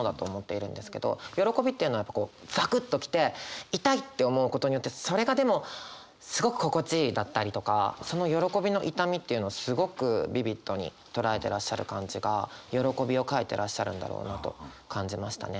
喜びというのはこうザクっと来て痛いって思うことによってそれがでもすごく心地いいだったりとかその喜びの痛みというのをすごくビビッドに捉えてらっしゃる感じが喜びを書いてらっしゃるんだろうなと感じましたね。